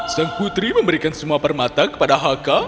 sang putri memberikan semua permata kepada haka